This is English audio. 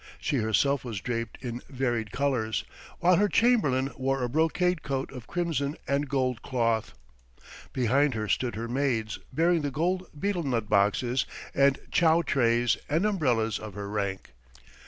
She herself was draped in varied colours, while her chamberlain wore a brocade coat of crimson and gold cloth. Behind her stood her maids bearing the gold betel nut boxes and chow trays and umbrellas of her rank.